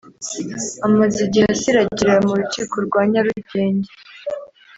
amaze igihe asiragira mu rukiko rwa Nyarugenge